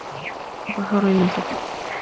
Pasó un pájaro y le entretuvo.